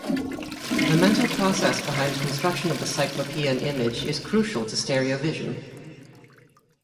The mental process behind construction of the Cyclopean image is crucial to stereo vision.